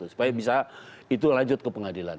supaya bisa itu lanjut ke pengadilan